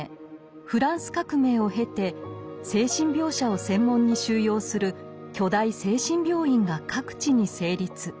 フランス革命を経て精神病者を専門に収容する巨大精神病院が各地に成立。